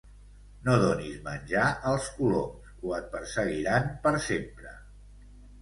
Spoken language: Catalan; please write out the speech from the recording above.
No donis menjar als coloms o et perseguiran per sempre!